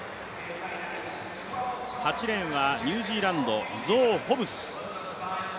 ８レーンはニュージーランドゾー・ホブス。